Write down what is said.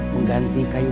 senang sih kang